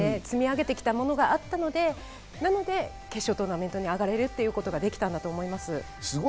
積み上げてきたものがあったので、決勝トーナメントに上がることができたんだと思います。